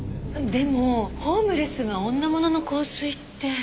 でもホームレスが女物の香水って。